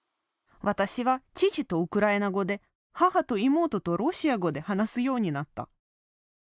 私は父とウクライナ語で母と妹とロシア語で話すようになった。